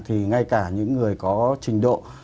thì ngay cả những người có trình độ